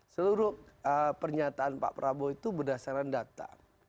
seluruh pernyataan pak prabowo itu berdasarkan data